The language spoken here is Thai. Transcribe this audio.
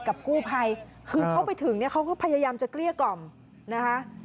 กับกู้ภัยคือเขาไปถึงเนี่ยเขาก็พยายามจะเกลี้ยกล่อมนะคะ